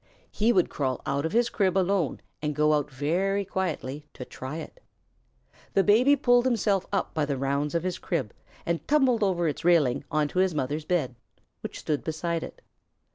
He would crawl out of his crib alone and go out very quietly to try it. The Baby pulled himself up by the rounds of his crib, and tumbled over its railing onto his mother's bed, which stood beside it.